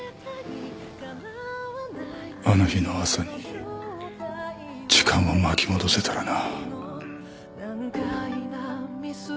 あの日の朝に時間を巻き戻せたらな。